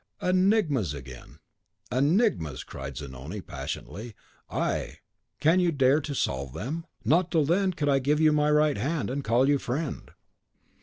"Enigmas again!" "Enigmas!" cried Zanoni, passionately; "ay! can you dare to solve them? Not till then could I give you my right hand, and call you friend."